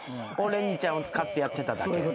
をれにちゃんを使ってやってただけ。